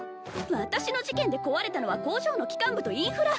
私の事件で壊れたのは工場の機関部とインフラ